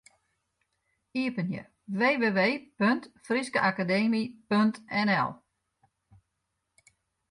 Iepenje www.fryskeakademy.nl.